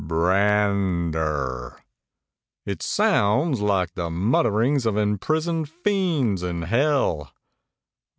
"B r a n d e r, it sounds like the mutterings of imprisoned fiends in Hell